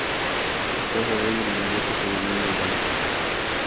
A causa de ello la nobleza se dividió en dos bandos.